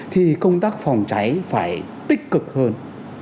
thì công tác phòng cháy phải tích cực hơn